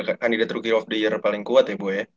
kandidat rookie of the year paling kuat ya bu ya